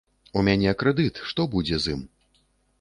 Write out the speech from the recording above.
У мяне крэдыт, што будзе з ім?